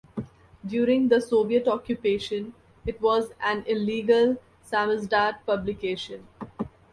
During the Soviet occupation, it was an illegal "samizdat" publication.